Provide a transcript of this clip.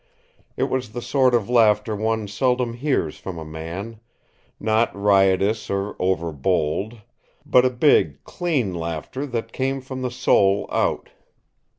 It was the sort of laughter one seldom hears from a man, not riotous of over bold, but a big, clean laughter that came from the soul out.